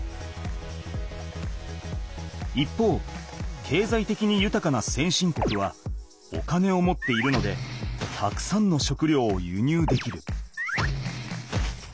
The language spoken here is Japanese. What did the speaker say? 一方けいざいてきにゆたかな先進国はお金を持っているのでたくさんの食料を輸入できる。